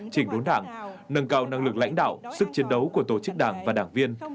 chỉnh đốn đảng nâng cao năng lực lãnh đạo sức chiến đấu của tổ chức đảng và đảng viên